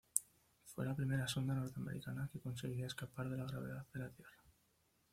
Fue la primera sonda norteamericana que conseguía escapar de la gravedad de la tierra.